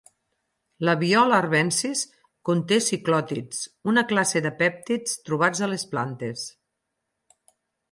La "Viola arvensis" conté ciclòtids, una classe de pèptids trobats a les plantes.